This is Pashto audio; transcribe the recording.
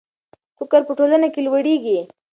فقر په ټولنه کې لوړېږي.